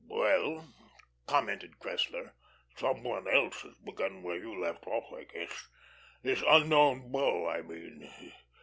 "Well," commented Cressler, "some one else has begun where you left off, I guess. This Unknown Bull, I mean.